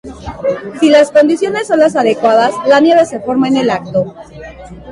Si las condiciones son las adecuadas la nieve se forma en el acto.